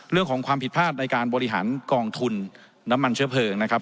เรื่องของความผิดพลาดในการบริหารกองทุนน้ำมันเชื้อเพลิงนะครับ